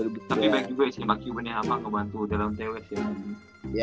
tapi baik juga sih mark cuban yang ngebantu the launte west ya